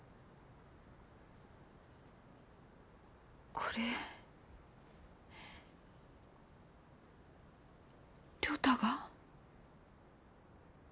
これ涼太が？